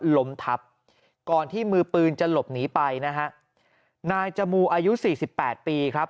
ล้มทับก่อนที่มือปืนจะหลบหนีไปนะฮะนายจมูอายุสี่สิบแปดปีครับ